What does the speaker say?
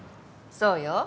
そうよ。